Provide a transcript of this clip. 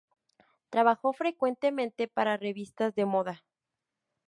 Trabajó frecuentemente para revistas de moda.